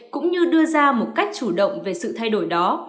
cũng như đưa ra một cách chủ động về sự thay đổi đó